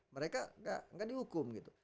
mereka gak dihukum gitu